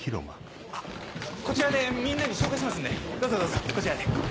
こちらでみんなに紹介しますんでどうぞどうぞこちらで。